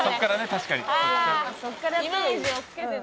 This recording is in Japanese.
確かに。